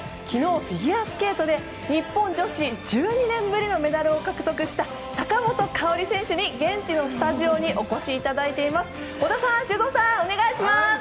昨日、フィギュアスケートで日本女子１２年ぶりのメダルを獲得した坂本花織選手に現地のスタジオにお越しいただいています。